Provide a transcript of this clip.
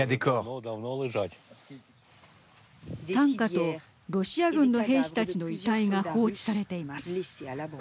担架とロシア軍の兵士たちの遺体が放置されています。